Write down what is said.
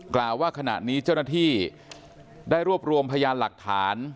กล่าวว่าขณะนี้เจ้าหน้าที่ได้รวบรวมพยานหลักฐาน